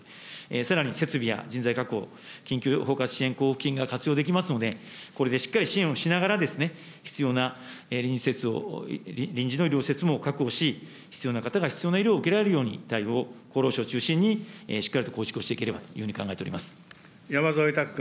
さらに設備や人材確保、緊急包括支援交付金が活用できますので、これでしっかり支援をしながら、必要な臨時施設を、臨時の医療施設も確保し、必要な方が必要な医療を受けられるように、対応を厚労省を中心にしっかりと構築をしていければというふ山添拓君。